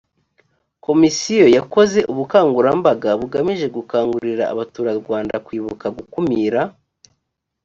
komisiyo yakoze ubukangurambaga bugamije gukangurira abaturarwanda kwibuka gukumira